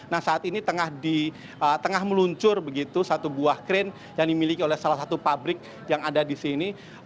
nah saat ini tengah meluncur begitu satu buah krain yang dimiliki oleh salah satu pabrik yang ada di sini